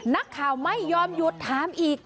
นักข่าวไม่ยอมหยุดถามอีก